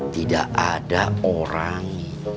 tidak ada orang